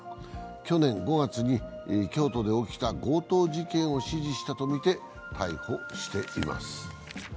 去年５月に京都で起きた強盗事件を指示したとみて逮捕しています。